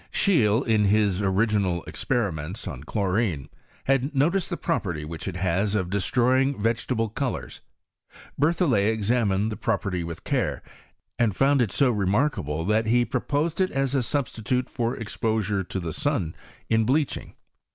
Scheele, in his original experiments on chlorine, had noticed the property which it has of destroying vegetable colours. Bertholiet examined this pro ! CHEMISTEY IN rilANCE. 155 petty with care, and found it so remarkable that he proposed it as a substitute for exposure to the sun in bleaching.